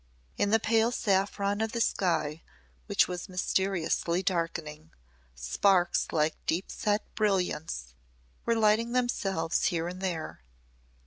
In the pale saffron of the sky which was mysteriously darkening, sparks like deep set brilliants were lighting themselves here and there.